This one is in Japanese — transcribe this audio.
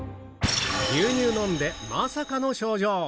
牛乳飲んでまさかの症状！